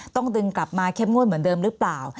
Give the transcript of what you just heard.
ต้องดึงกลับมาเข้มงวดเหมือนเดิมหรือเปล่า